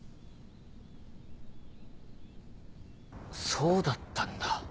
そうだったんだ。